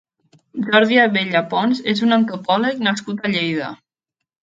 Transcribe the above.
Jordi Abella Pons és un antopòleg nascut a Lleida.